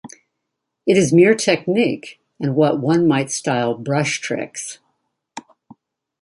It is mere technique, and what one might style brush-tricks.